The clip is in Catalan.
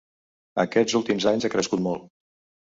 Aquests últims anys ha crescut molt.